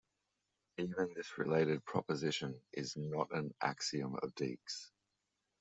Even this related proposition is not an axiom of Dieks.